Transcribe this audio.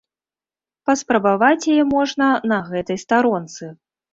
Паспрабаваць яе можна на гэтай старонцы.